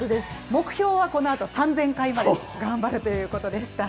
目標はこのあと３０００回まで頑張るということでした。